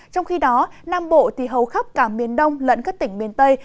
trong khi đó nam bộ thì hầu khắp cả miền đông lẫn các tỉnh miền tây